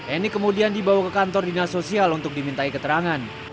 eni kemudian dibawa ke kantor dinas sosial untuk dimintai keterangan